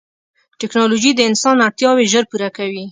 ټکنالوجي د انسان اړتیاوې ژر پوره کوي.